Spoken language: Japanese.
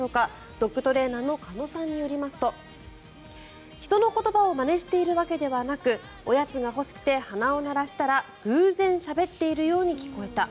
ドッグトレーナーの鹿野さんによりますと人の言葉をまねしているわけではなくおやつが欲しくて鼻を鳴らしたら偶然しゃべっているように聞こえた。